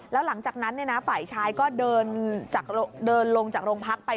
แล้วหลังจากนั้นฝ่ายชายก็เดินลงจากโรงพักไป